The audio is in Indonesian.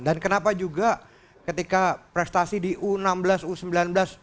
dan kenapa juga ketika prestasi di u enam belas usia